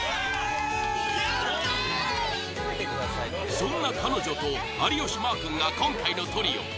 そんな彼女と有吉マー君が今回のトリオ。